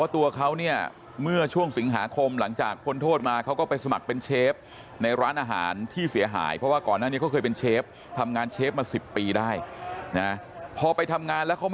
ถ้าเพื่อนครับทางรอดนี้จะเป็นอะไรครับ